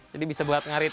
jadi bisa buat ngarit